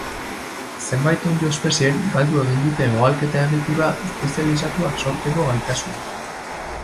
Zenbait onddo-espeziek galdu egin dute ugalketa-egitura espezializatuak sortzeko gaitasuna.